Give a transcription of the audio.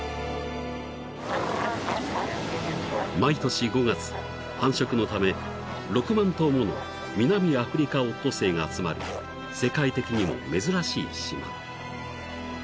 ［毎年５月繁殖のため６万頭ものミナミアフリカオットセイが集まる世界的にも珍しい島］